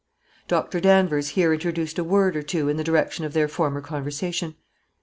Doctor Danvers here introduced a word or two in the direction of their former conversation.